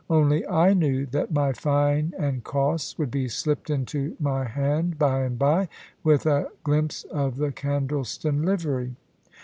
Only I knew that my fine and costs would be slipped into my hand by and by, with a glimpse of the Candleston livery.